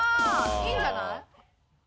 いいんじゃない？